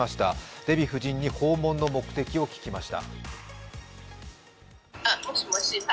デヴィ夫人に訪問の目的を聞きました。